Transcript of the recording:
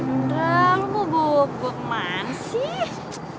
padahal lo mau bawa gua kemana sih